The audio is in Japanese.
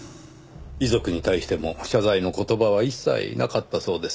遺族に対しても謝罪の言葉は一切なかったそうです。